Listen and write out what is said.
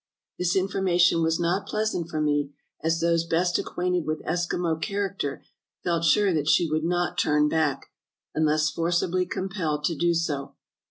"This information was not pleasant for me, as those best acquainted with Eskimo character felt sure that she would not turn back, unless forcibly compelled to do so.